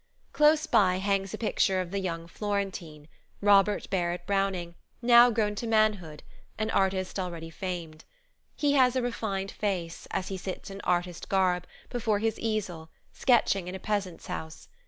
Close by hangs a picture of the "young Florentine," Robert Barrett Browning, now grown to manhood, an artist already famed. He has a refined face, as he sits in artist garb, before his easel, sketching in a peasant's house.